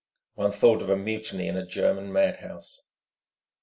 One thought of a mutiny in a German madhouse.